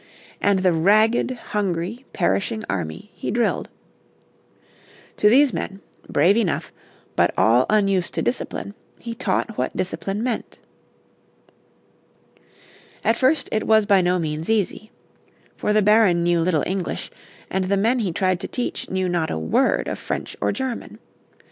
And the ragged, hungry, perishing army he drilled. To these men, brave enough, but all unused to discipline, he taught what discipline meant. At first it was by no means easy. For the Baron knew little English and the men he tried to teach knew not a word of French or German.